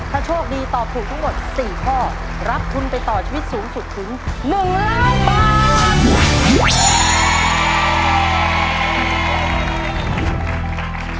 ถ้าโชคดีตอบถูกทั้งหมด๔ข้อรับทุนไปต่อชีวิตสูงสุดถึง๑ล้านบาท